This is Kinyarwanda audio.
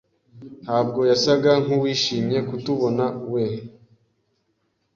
ntabwo yasaga nkuwishimiye kutubonawe.